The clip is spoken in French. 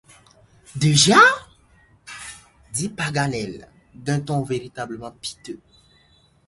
Déjà! dit Paganel, d’un ton véritablement piteux.